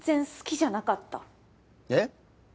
えっ？